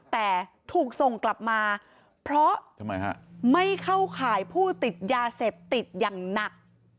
แต่ถูกส่งกลับมาเพราะไม่เข้าข่ายผู้ติดยาเสพติดอย่างหนัก